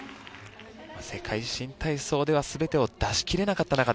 世界新体操では全てを出しきれなかった中で。